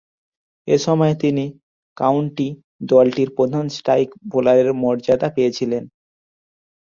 এ সময়ে তিনি কাউন্টি দলটির প্রধান স্ট্রাইক বোলারের মর্যাদা পেয়েছিলেন।